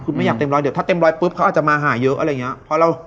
คุณไม่อยากเต็มร้อยเดี๋ยวถ้าเต็มร้อยปุ๊บเขาอาจจะมาหาเยอะอะไรอย่างนี้